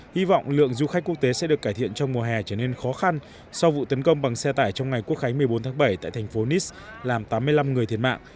hy vọng lượng du khách quốc tế sẽ được cải thiện trong mùa hè trở nên khó khăn sau vụ tấn công bằng xe tải trong ngày quốc khánh một mươi bốn tháng bảy tại thành phố niss làm tám mươi năm người thiệt mạng